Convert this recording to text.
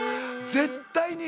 絶対に。